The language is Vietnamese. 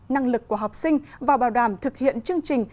năng lực của học sinh và bảo đảm thực hiện chương trình